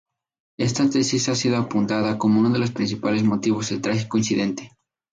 Esta tesis ha sido apuntada como uno de los principales motivos del trágico incidente.